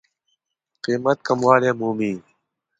قېمت کموالی مومي.